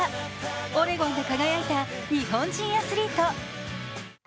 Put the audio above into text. オレゴンで輝いた日本人アスリート。